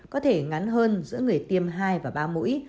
có thể ngắn hơn giữa người tiêm hai và ba mũi